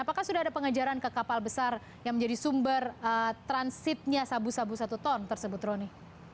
apakah sudah ada pengejaran ke kapal besar yang menjadi sumber transitnya sabu sabu satu ton tersebut roni